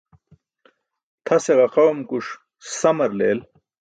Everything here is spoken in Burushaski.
Tʰase ġaqaẏumkuṣ samar leel.